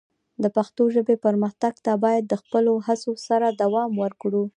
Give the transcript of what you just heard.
د پښتو ژبې پرمختګ ته باید د خپلو هڅو سره دوام ورکړو.